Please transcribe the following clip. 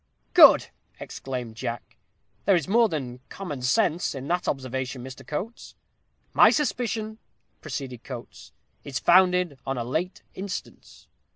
'" "Good!" exclaimed Jack. "There is more than 'common sense' in that observation, Mr. Coates." "'My suspicion,'" proceeded Coates, "'is founded on a late instance.